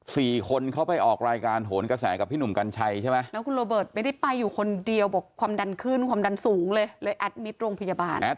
สี่คนเขาไปออกรายการโหนกระแสกับพี่หนุ่มกัญชัยใช่ไหมแล้วคุณโรเบิร์ตไม่ได้ไปอยู่คนเดียวบอกความดันขึ้นความดันสูงเลยเลยแอดมิตรโรงพยาบาล